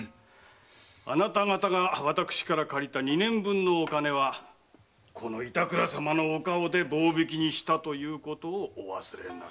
あなた方が私から借りた二年分のお金はこの板倉様のお顔で棒引きにしたということをお忘れなく。